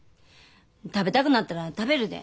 食べたくなったら食べるで。